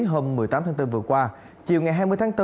hôm một mươi tám tháng bốn vừa qua chiều ngày hai mươi tháng bốn